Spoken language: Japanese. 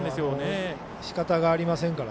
しかたありませんから。